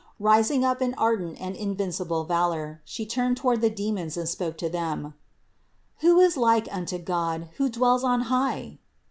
Rising up in ardent and invincible valor, She turned toward the demons and spoke to them: "Who is like unto God, who dwells on high?"